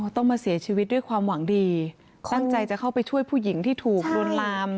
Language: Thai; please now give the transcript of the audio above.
ต้องมาเสียชีวิตด้วยความหวังดีตั้งใจจะเข้าไปช่วยผู้หญิงที่ถูกลวนลาม